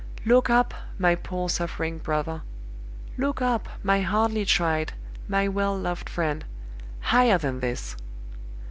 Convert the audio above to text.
"Look up, my poor suffering brother look up, my hardly tried, my well loved friend, higher than this!